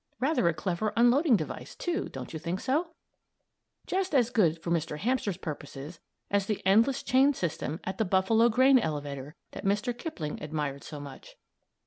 Rather a clever unloading device, too; don't you think so? Just as good for Mr. Hamster's purposes as the endless chain system at the Buffalo grain elevator that Mr. Kipling admired so much.